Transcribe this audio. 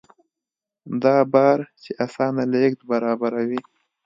دا بارچي اسانه لېږد برابروي.